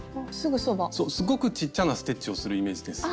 すごくちっちゃなステッチをするイメージです。